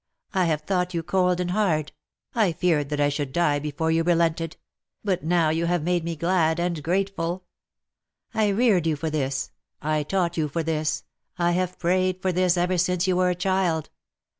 I have thought you cold and hard. I feared that I should die before you relented; but now you have made me glad and grateful. I reared you for this, I taught you for this, I have prayed for this ever since you were a child.